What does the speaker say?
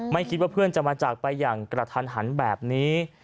ไม่คิดว่าเพื่อนจะมาจากไปอย่างกระทันหันแบบนี้